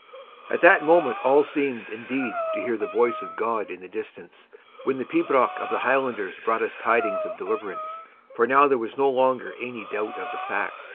At that moment all seemed, indeed, to hear the voice of God in the distance, when the pibroch of the Highlanders brought us tidings of deliverance; for now there was no longer any doubt of the fact.